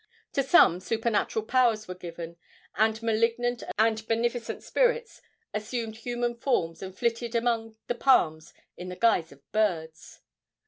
To some supernatural powers were given, and malignant and beneficent spirits assumed human forms and flitted among the palms in the guise of birds.